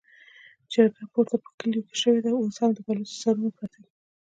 جګړه پورته په کليو کې شوې ده، اوس هم د بلوڅو سرونه پراته دي.